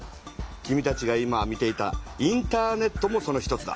君たちが今見ていたインターネットもその一つだ。